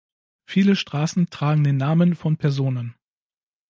Viele Straßen tragen den Namen von Personen.